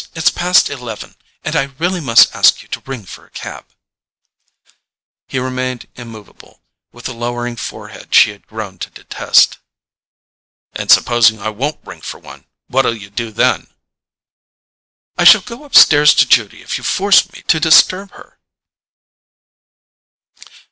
It's past eleven, and I must really ask you to ring for a cab." He remained immovable, with the lowering forehead she had grown to detest. "And supposing I won't ring for one—what'll you do then?" "I shall go upstairs to Judy if you force me to disturb her."